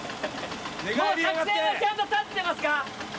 もう作戦はちゃんと立ってますか？